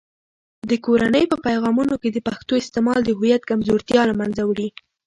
د کورنۍ په پیغامونو کې د پښتو استعمال د هویت کمزورتیا له منځه وړي.